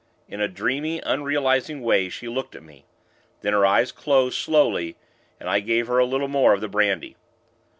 In a dreamy, unrealizing way, she looked at me. Then her eyes closed, slowly, and I gave her a little more of the brandy.